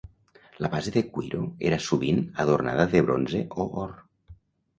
La base de cuiro era sovint adornada de bronze o or.